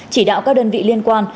chỉ đạo các đơn vị liên quan